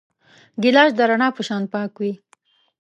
ګیلاس د رڼا په شان پاک وي.